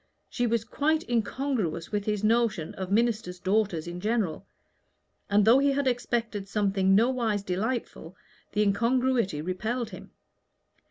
She was quite incongruous with his notion of ministers' daughters in general; and though he had expected something nowise delightful, the incongruity repelled him.